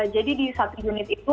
jadi di satu unit itu